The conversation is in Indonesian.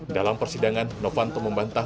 dalam persidangan novanto membantah